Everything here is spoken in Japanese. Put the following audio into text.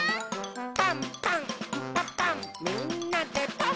「パンパンんパパンみんなでパン！」